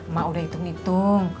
mau udah hitung hitung